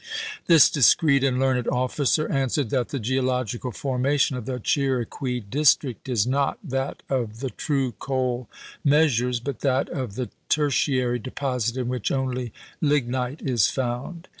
This discreet and learned officer answered '"that the geological formation of the [Chiriqui] District is not that of the true coal mea sures, but that of the tertiary deposit in which only lignite is found."